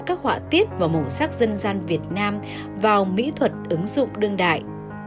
các họa tiết và màu sắc dân gian việt nam vào mỹ thuật ứng dụng đương đại